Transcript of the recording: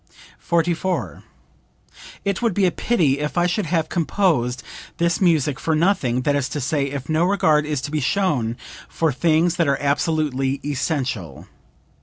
44. "It would be a pity if I should have composed this music for nothing, that is to say if no regard is to be shown for things that are absolutely essential.